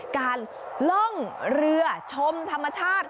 การล่องเรือชมธรรมชาติ